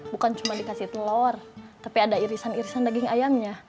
bukan cuma dikasih telur tapi ada irisan irisan daging ayamnya